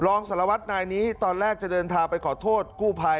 รองสารวัตรนายนี้ตอนแรกจะเดินทางไปขอโทษกู้ภัย